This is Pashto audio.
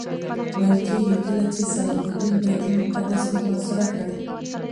ویل کېږي کله چې صلاح الدین بیت المقدس محاصره کړ.